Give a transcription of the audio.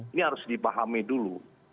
ini harus dipahami dulu